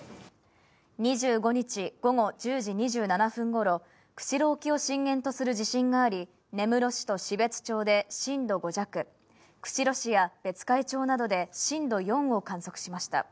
２５日午後１０時２７分ごろ、釧路沖を震源とする地震があり、根室市と標津町で震度５弱、釧路市や別海町などで震度４を観測しました。